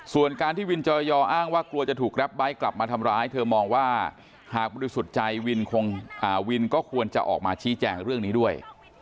ส่วนการที่วินจอยออ้างว่ากลัวจะถูกแรปไบท์กลับมาทำร้ายเธอมองว่าหากบริสุทธิ์ใจวินก็ควรจะออกมาชี้แจงเรื่องนี้ด้วย